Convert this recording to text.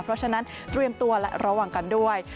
เพราะฉะนั้นเตรียมตัวและระวังกันด้วย